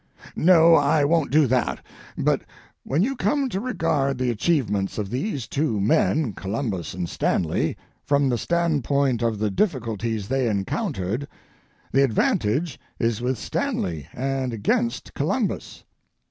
No, I won't do that; but when you come to regard the achievements of these two men, Columbus and Stanley, from the standpoint of the difficulties they encountered, the advantage is with Stanley and against Columbus.